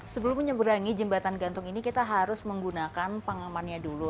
sebelum menyeberangi jembatan gantung ini kita harus menggunakan pengamannya dulu